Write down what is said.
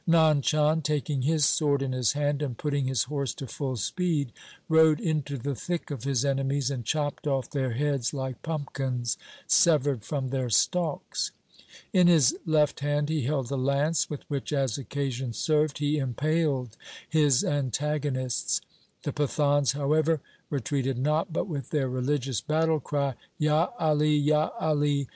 Nand Chand, taking his sword in his hand and putting his horse to full speed, rode into the thick of his enemies, and chopped off their heads like pumpkins severed from their stalks. In his left hand he held a lance with which as occasion served he impaled his antagonists. The Pathans, however, retreated not, but with their religious battle cry, ' Ya Ali ! Ya Ali